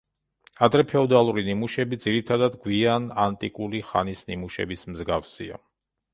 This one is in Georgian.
ადრეფეოდალური ნიმუშები ძირითადად გვიანანტიკური ხანის ნიმუშების მსგავსია.